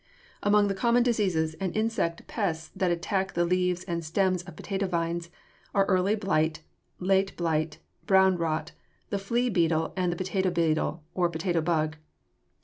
Among the common diseases and insect pests that attack the leaves and stems of potato vines are early blight, late blight, brown rot, the flea beetle, and the potato beetle, or potato bug.